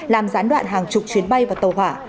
làm gián đoạn hàng chục chuyến bay và tàu hỏa